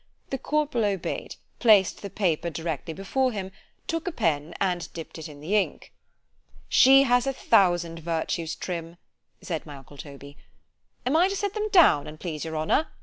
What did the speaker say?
The corporal obeyed——placed the paper directly before him——took a pen, and dipp'd it in the ink. —She has a thousand virtues, Trim! said my uncle Toby—— Am I to set them down, an' please your honour?